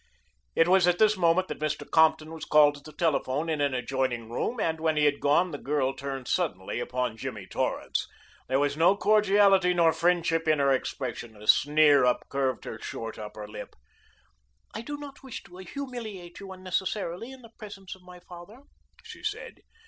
It was at this moment that Mr. Compton was called to the telephone in an adjoining room, and when he had gone the girl turned suddenly upon Jimmy Torrance. There was no cordiality nor friendship in her expression; a sneer upcurved her short upper lip. "I do not wish to humiliate you unnecessarily in the presence of my father," she said.